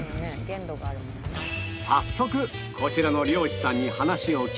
早速こちらの漁師さんに話を聞くと